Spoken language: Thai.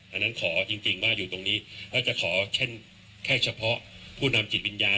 อันนั้นขอจริงว่าอยู่ตรงนี้แล้วจะขอเช่นแค่เฉพาะผู้นำจิตวิญญาณ